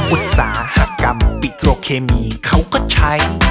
อุตสาหกรรมบิโตรเคมีเขาก็ใช้